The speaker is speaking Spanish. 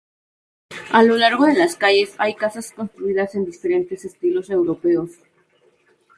A lo largo de las calles hay casas construidas en diferentes estilos europeos.